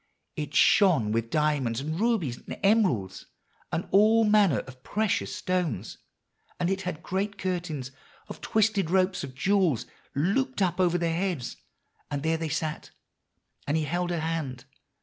It shone with diamonds and rubies and emeralds, and all manner of precious stones; and it had great curtains of twisted ropes of jewels looped up over their heads; and there they sat, and he held her hand.